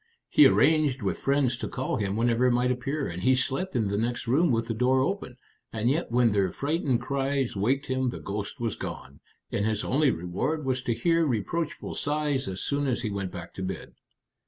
He arranged with friends to call him whenever it might appear, and he slept in the next room with the door open; and yet when their frightened cries waked him the ghost was gone, and his only reward was to hear reproachful sighs as soon as he went back to bed.